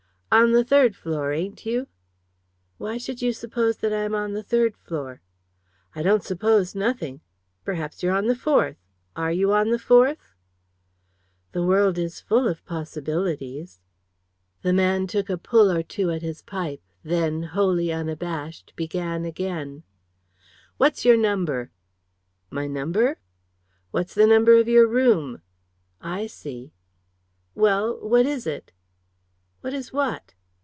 "On the third floor, ain't you?" "Why should you suppose that I am on the third floor?" "I don't suppose nothing. Perhaps you're on the fourth. Are you on the fourth?" "The world is full of possibilities." The man took a pull or two at his pipe; then, wholly unabashed, began again "What's your number?" "My number?" "What's the number of your room?" "I see." "Well what is it?" "What is what?"